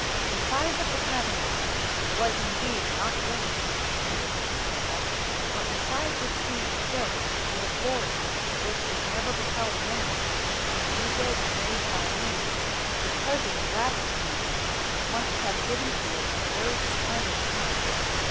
"The size of the Tabernacle was indeed not great," continued Mrs. Temple; "but, besides its being filled with a glory which is never beheld now in any building raised by man, the treasures lavished on it must have given to it a very splendid appearance.